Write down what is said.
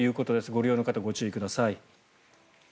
ご利用の方ご注意ください。